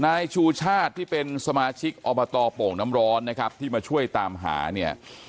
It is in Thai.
นายชูชาติที่เป็นสมาชิกอบตโป่งน้ำร้อนนะครับที่มาช่วยตามหาเนี่ย